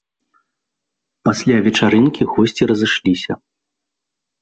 Пасля вечарынкі госці разышліся.